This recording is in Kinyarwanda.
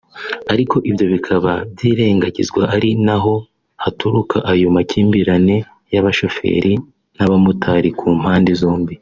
Ariko ibyo bikaba byirengagizwa ari naho haturuka ayo makimbiranye y’abashoferi n’abamotari ku mpande zombi